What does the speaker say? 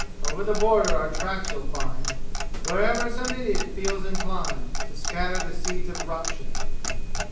Over the border our tracks you'll find, Wherever some idiot feels inclined To scatter the seeds of ruction.